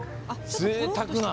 ぜいたくな。